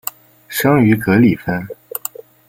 生于格里芬。